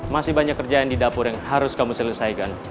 masih banyak kerjaan di dapur yang harus kamu selesaikan